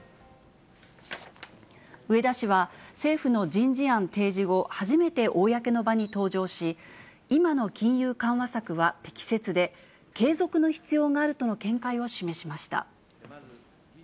植田氏は、政府の人事案提示後、初めて公の場に登場し、今の金融緩和策は適切で、継続の必要があるとの見解を示しました。